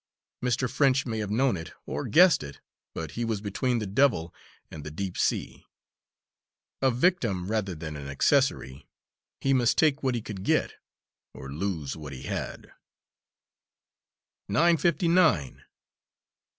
Mr. French may have known it, or guessed it, but he was between the devil and the deep sea a victim rather than an accessory he must take what he could get, or lose what he had. "Nine fifty nine!"